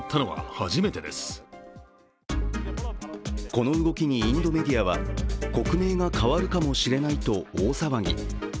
この動きにインドメディアは国名が変わるかもしれないと大騒ぎ。